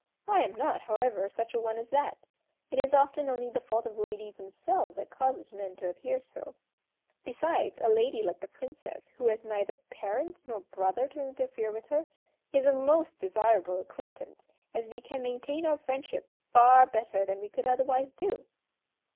I am not, however, such a one as that. It is often only the fault of ladies themselves that causes men to appear so; besides a lady, like the Princess, who has neither parent nor brother to interfere with her, is a most desirable acquaintance, as we can maintain our friendship far better than we could otherwise do."